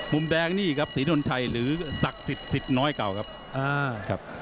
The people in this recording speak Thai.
มุมแรกสีดนทรัยัลือสรักษิตกับสิทธิ์น้อยเก่าครับ